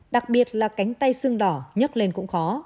đặc biệt là cánh tay sương đỏ nhấc lên cũng khó